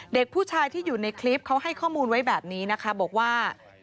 เด็กผู้ชายที่อยู่ในคลิปเขาให้ข้อมูลไว้แบบนี้นะคะบอกว่า